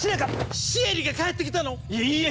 シエリが帰ってきたの⁉いいえ！